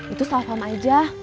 itu salah faham aja